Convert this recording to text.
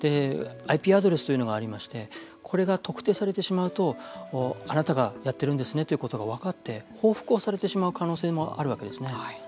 ＩＰアドレスというのがありましてこれが特定されてしまうとあなたがやってるんですねということが分かって報復をされてしまう可能性もあるわけですね。